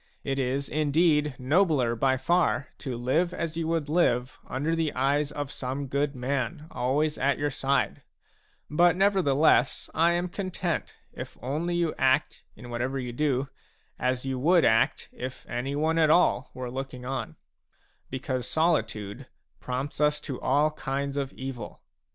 It is, in deed, nobler by far to live as you would live under the eyes of some good man, always at your side ; but nevertheless I am content if you only act, in what ever you do, as you would act if anyone at all were looking on ; because solitude prompts us to all kinds of evil.